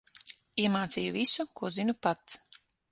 Iemācīju visu, ko zinu pats.